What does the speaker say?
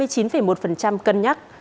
hai mươi chín một cân nhắc